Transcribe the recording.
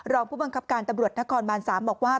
รองผู้บังคับการตำรวจนครบาน๓บอกว่า